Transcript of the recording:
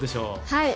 はい。